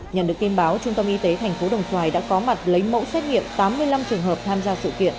nhận được tin báo trung tâm y tế tp đồng xoài đã có mặt lấy mẫu xét nghiệm tám mươi năm trường hợp tham gia sự kiện